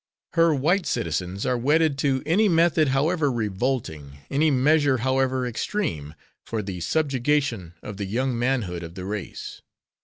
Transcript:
Her white citizens are wedded to any method however revolting, any measure however extreme, for the subjugation of the young manhood of the race.